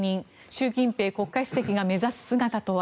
習近平国家主席が目指す姿とは。